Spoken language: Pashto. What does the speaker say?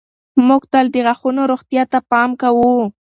موږ تل د غاښونو روغتیا ته پام کوو.